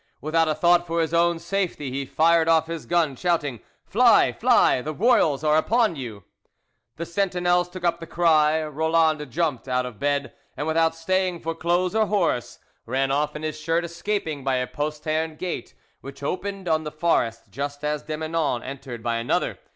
Without a thought for his own safety, he fired off his gun, shouting, "Fly! fly! The royals are upon you!" The sentinels took up the cry, Roland jumped out of bed, and, without staying for clothes or horse, ran off in his shirt, escaping by a postern gate which opened on the forest just as de Menon entered by another.